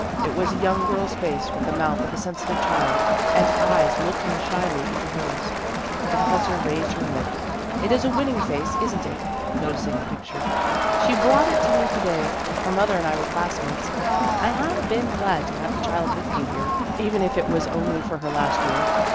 It was a young girl's face with the mouth of a sensitive child and eyes looking shyly into hers. The professor raised her head. "It is a winning face, is n't it ?" noticing the picture ;" she brought it to me to day. Her mother and I were classmates ; I have been glad to have the child with me here, even if it was only for her last year.